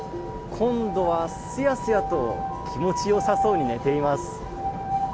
今度はすやすやと気持ち良さそうに寝ています。